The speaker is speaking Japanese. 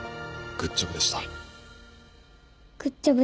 グッジョブでした。